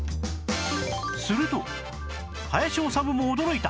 すると林修も驚いた！